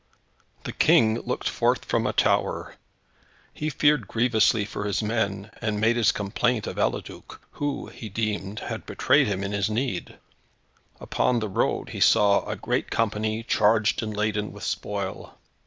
The King looked forth from a tower. He feared grievously for his men, and made his complaint of Eliduc, who he deemed had betrayed him in his need. Upon the road he saw a great company, charged and laden with spoil.